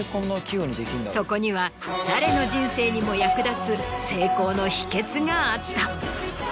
そこには誰の人生にも役立つ成功の秘訣があった。